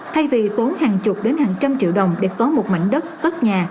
thay vì tốn hàng chục đến hàng trăm triệu đồng để có một mảnh đất cất nhà